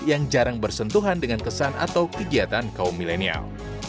yang jarang bersentuhan dengan kesan atau kegiatan kaum milenial